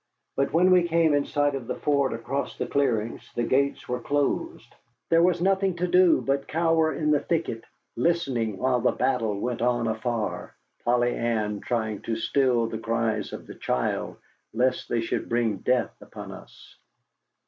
But when we came in sight of the fort across the clearings the gates were closed. There was nothing to do but cower in the thicket, listening while the battle went on afar, Polly Ann trying to still the cries of the child, lest they should bring death upon us.